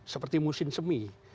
seperti musim semi